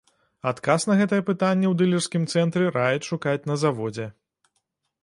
Адказ на гэтае пытанне ў дылерскім цэнтры раяць шукаць на заводзе.